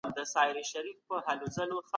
دغه نجلۍ ډېره ژر بېدېدله.